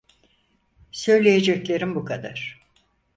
Söyleyeceklerim bu kadar.